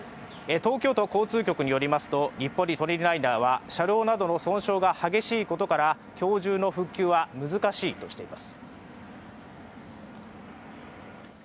東京都交通局によりますと日暮里舎人ライナーは、車両などの損傷が激しいことから今日中の復旧は難しいとしています。